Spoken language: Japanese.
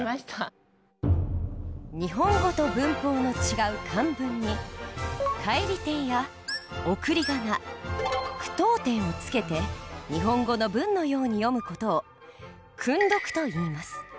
日本語と文法の違う漢文に返り点や送り仮名句読点をつけて日本語の文のように読む事を「訓読」といいます。